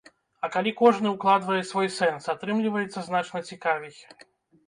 А калі кожны укладвае свой сэнс, атрымліваецца значна цікавей.